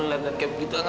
ya kayak gitu aja